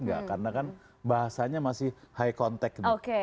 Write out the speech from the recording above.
enggak karena kan bahasanya masih high contact